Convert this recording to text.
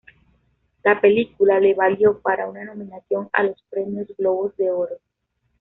La película le valió para una nominación a los Premios Globo de Oro.